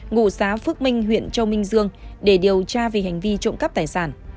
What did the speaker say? ngụ xã phước minh huyện châu minh dương để điều tra về hành vi trộm cắp tài sản